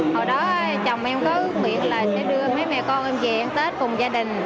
hồi đó chồng em có ước nguyện là sẽ đưa mấy mẹ con em về ăn tết cùng gia đình